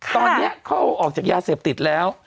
ตอนนี้เขาเอาออกจากยาเสพติดแล้ว